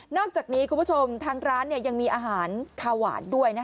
อกจากนี้คุณผู้ชมทางร้านยังมีอาหารคาหวานด้วย